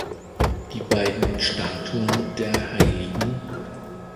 Die beiden Statuen der hl.